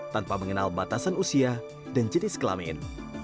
tanpa mengenal batasan usia dan jenis kelamin